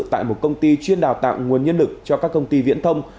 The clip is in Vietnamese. tại một công ty chuyên đào tạo nguồn nhân lực cho các công ty viễn thông